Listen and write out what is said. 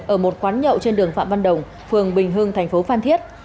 ở một quán nhậu trên đường phạm văn đồng phường bình hưng thành phố phan thiết